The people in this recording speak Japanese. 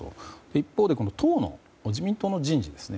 一方で自民党の人事ですね。